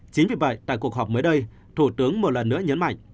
chính vì vậy tại cuộc họp mới đây thủ tướng một lần nữa nhấn mạnh